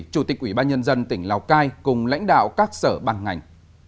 chủ tịch ủy ban nhân dân tỉnh lào cai cùng lãnh đạo các sở ban ngành